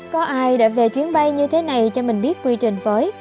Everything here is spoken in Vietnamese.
có ai đã về chuyến bay như thế này cho mình biết quy trình với